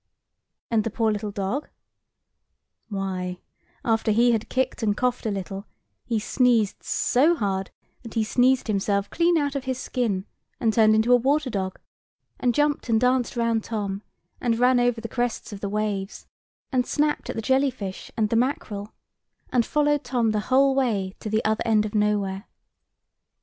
And the poor little dog? [Picture: The dog] Why, after he had kicked and coughed a little, he sneezed so hard, that he sneezed himself clean out of his skin, and turned into a water dog, and jumped and danced round Tom, and ran over the crests of the waves, and snapped at the jelly fish and the mackerel, and followed Tom the whole way to the Other end of Nowhere.